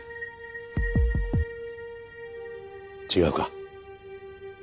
違うか？